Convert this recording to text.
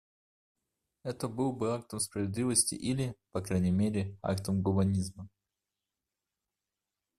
Это было бы актом справедливости или, по крайней мере, актом гуманизма.